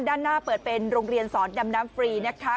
ด้านหน้าเปิดเป็นโรงเรียนสอนดำน้ำฟรีนะคะ